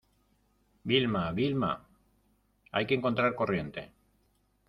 Vilma, Vilma... hay que encontrar corriente .